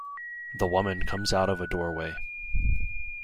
The woman comes out of a doorway.